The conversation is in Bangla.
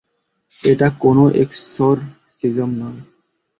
এটা কোনও এক্সক্সোরসিজম নয়!